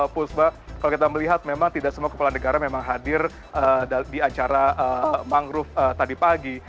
pusba kalau kita melihat memang tidak semua kepala negara memang hadir di acara mangrove tadi pagi